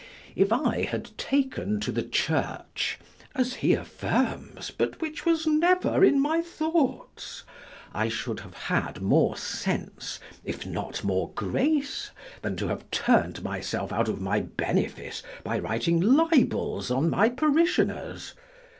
If I had taken to the Church, (as he affirms, but which was never in my thoughts,) I should have had more sense, if not more grace, than to have turn'd myself out of my benefice by writing libels on my parishioners.